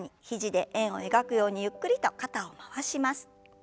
肘で円を描くようにゆっくりと肩を回します。